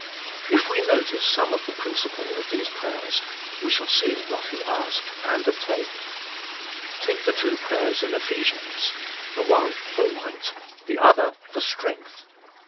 If we notice some of the principal of PAUL A PATTERN OF PRAYER 161 these prayers we shall see what he asked and obtained. Take the two prayers in Ephesians the one for light, the other for strength.